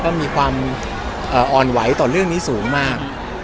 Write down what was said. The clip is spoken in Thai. ก็มีความอ่อนไหวต่อเรื่องนี้สูงมาก